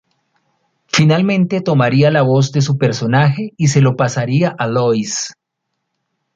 Finalmente tomaría la voz de su personaje y se lo pasaría a Lois.